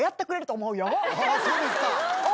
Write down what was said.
そうですか！